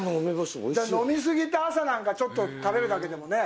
だから、飲み過ぎた朝なんか、ちょっと食べるだけでもねぇ。